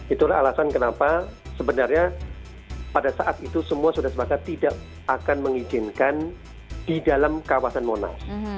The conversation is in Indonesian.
itulah alasan kenapa sebenarnya pada saat itu semua sudah sepakat tidak akan mengizinkan di dalam kawasan monas